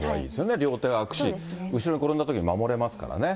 両手があくし、後ろに転んだときに守れますからね。